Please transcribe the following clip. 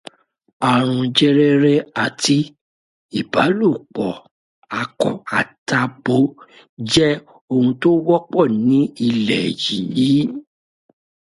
Ààrùn jẹrẹrẹ àti ìbálòpọ̀ akọ àt'abo jẹ́ ohun tó wọ́pọ̀ nílẹ̀ yìí.